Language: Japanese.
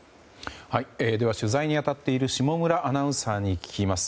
取材に当たっている下村アナウンサーに聞きます。